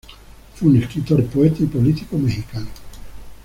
Fue un escritor, poeta, y político mexicano.